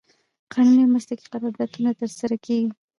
قانوني او مسلکي قراردادونه ترسره کړي